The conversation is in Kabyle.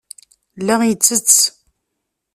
La ittett.